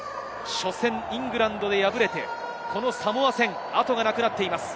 初戦、イングランドに敗れて、このサモア戦、後がなくなっています。